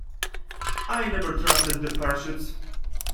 I never trusted the parachutes.